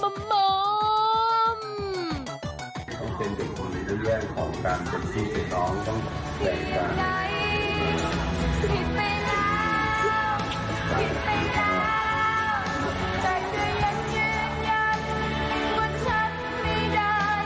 ต้องเป็นเด็กพลูกฆ่าเอกกรอง